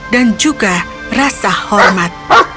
dan juga rasa hormat